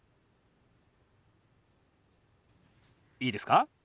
いいですか？